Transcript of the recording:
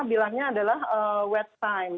bilangnya adalah wet time